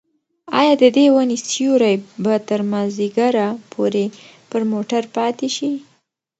ایا د دې ونې سیوری به تر مازدیګره پورې پر موټر پاتې شي؟